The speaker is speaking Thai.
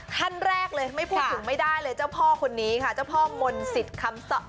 ขั้นแรกเลยไม่พูดถึงไม่ได้เลยเจ้าพ่อคนนี้ค่ะเจ้าพ่อมนต์สิทธิ์คำ